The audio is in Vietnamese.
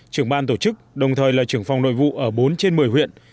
trưởng ban tổ chức đồng thời là trưởng phòng nội vụ ở bốn trên một mươi huyện